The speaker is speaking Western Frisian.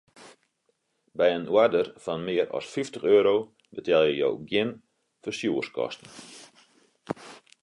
By in oarder fan mear as fyftich euro betelje jo gjin ferstjoerskosten.